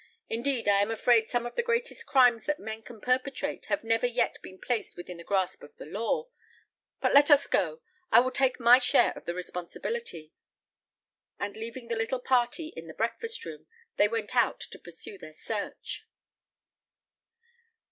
Indeed, I am afraid some of the greatest crimes that men can perpetrate have never yet been placed within the grasp of the law. But let us go; I will take my share of the responsibility." And leaving the little party in the breakfast room, they went out to pursue their search.